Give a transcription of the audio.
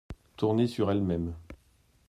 Tourner sur elle-même.